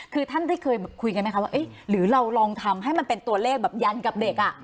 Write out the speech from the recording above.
คือท่านได้เคยคุยกันไหมคะว่าหรือเราลองทำให้มันเป็นตัวเลขแบบยันกับเด็กอ่ะ